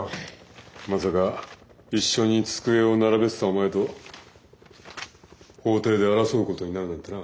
まさか一緒に机を並べてたお前と法廷で争うことになるなんてな。